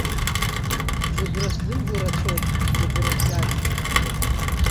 Зыгәра сзымго рацәоуп, зыгәра згаз.